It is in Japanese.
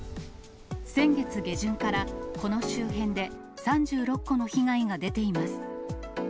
先月下旬から、この周辺で３６個の被害が出ています。